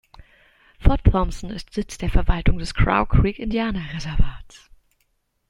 Fort Thompson ist Sitz der Verwaltung des Crow Creek Indianer Reservats.